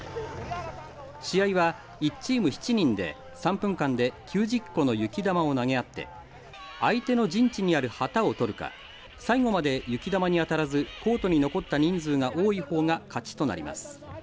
試合は１チーム７人で３分間で９０個の雪玉を投げ合って相手の陣地にある旗を取るか最後まで雪玉に当たらずコートに残った人数が多い方が勝ちとなります。